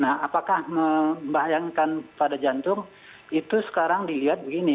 nah apakah membayangkan pada jantung itu sekarang dilihat begini